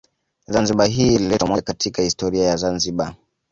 Zanzibar hii ilileta umoja katika historia ya zanzibar